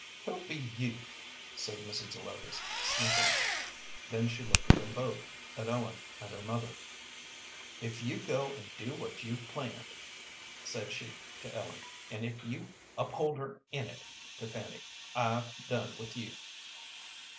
"Who be you?" said Mrs. Zelotes, sniffing. Then she looked at them both, at Ellen and at her mother. "If you go an' do what you've planned," said she to Ellen, "an' if you uphold her in it," to Fanny, "I've done with you."